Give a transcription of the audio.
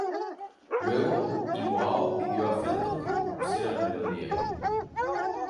Luego Iwao pidió a Fenton que compusiera la melodía.